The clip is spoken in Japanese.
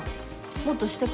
もっとしてこ。